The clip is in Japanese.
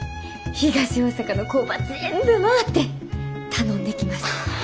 東大阪の工場全部回って頼んできます。